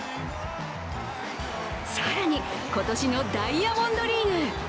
更に、今年のダイヤモンドリーグ。